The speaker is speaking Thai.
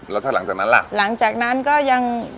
แล้วถ้าหลังจากนั้นล่ะหลังจากนั้นก็ยัง